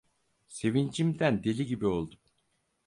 Sevincimden deli gibi oldum.